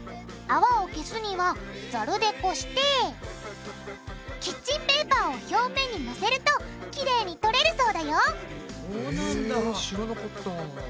泡を消すにはザルでこしてキッチンペーパーを表面にのせるとキレイに取れるそうだよそうなんだ。